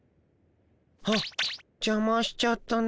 はっじゃましちゃったね。